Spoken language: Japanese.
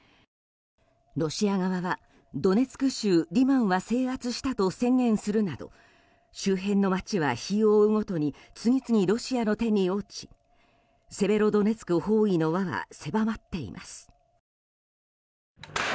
ロシア側はドネツク州リマンは制圧したと宣言するなど周辺の街は日を追うごとに次々ロシアの手に落ちセベロドネツク包囲の輪は狭まっています。